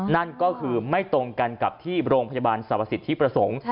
นั่นก็คือไม่ตรงกันกับที่โรงพยาบาลสรรพสิทธิประสงค์